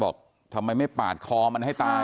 บอกทำไมไม่ปาดคอมันให้ตาย